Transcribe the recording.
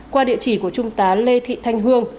qua địa chỉ của trung tá lê thị thanh hương